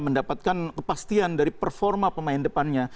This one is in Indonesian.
mendapatkan kepastian dari performa pemain depannya